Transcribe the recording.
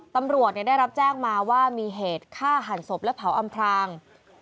ตำรวจได้รับแจ้งมาว่ามีเหตุฆ่าหันศพและเผาอำพราง